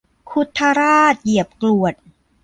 คุดทะราดเหยียบกรวด